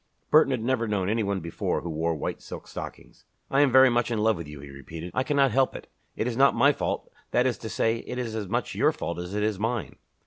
Burton had never known any one before who wore white silk stockings. "I am very much in love with you," he repeated. "I cannot help it. It is not my fault that is to say, it is as much your fault as it is mine."